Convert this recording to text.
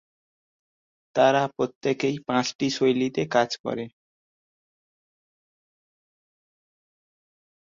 তারা প্রত্যেকেই পাঁচটি শৈলীতে কাজ করে।